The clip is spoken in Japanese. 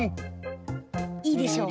いいでしょ？